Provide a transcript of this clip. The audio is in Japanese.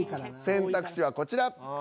選択肢はこちら。